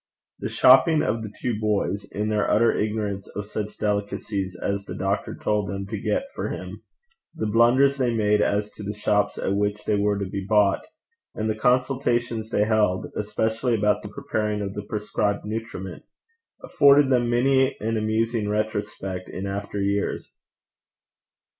The shopping of the two boys, in their utter ignorance of such delicacies as the doctor told them to get for him, the blunders they made as to the shops at which they were to be bought, and the consultations they held, especially about the preparing of the prescribed nutriment, afforded them many an amusing retrospect in after years.